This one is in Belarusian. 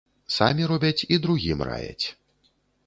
Самі робяць і другім раяць.